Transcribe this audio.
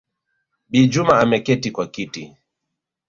Bi Juma ameketi kwa kiti